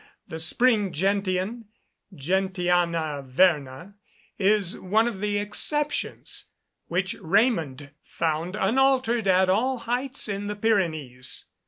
The spring gentian, Gentiana verna, is one of the exceptions, which Raymond found unaltered at all heights in the Pyrenees.